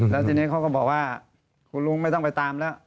แล้วทีนี้เขาก็บอกว่าคุณลุงไม่ต้องไปตามแล้ว